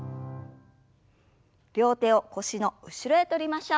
両手を腰の後ろへ取りましょう。